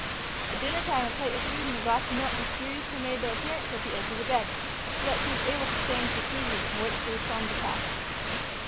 At dinner time a plate of food and a glass of milk mysteriously made their appearance at the edge of the bed, so that she was able to stay in seclusion and wait for the storm to pass.